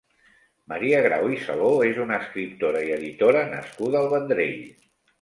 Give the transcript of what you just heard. Maria Grau i Saló és una escriptora i editora nascuda al Vendrell.